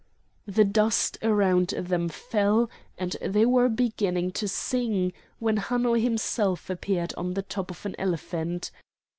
The dust around them fell and they were beginning to sing, when Hanno himself appeared on the top of an elephant.